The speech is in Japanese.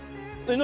「何？